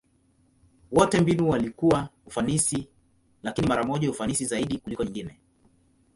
Wote mbinu walikuwa ufanisi, lakini mara moja ufanisi zaidi kuliko nyingine.